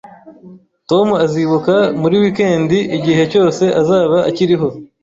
Tom azibuka muri wikendi igihe cyose azaba akiriho